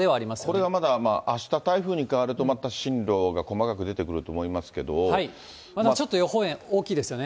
これはまたあした台風に変わるとまた進路が細かく出てくるとまだちょっと予報円大きいですよね。